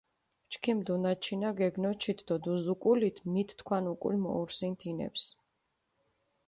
ჩქიმ დუნაჩინა გეგნოჩით დო დუზუკულით მით თქვან უკულ მოურსინ თინეფს.